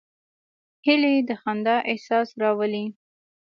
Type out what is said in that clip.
هیلۍ د خندا احساس راولي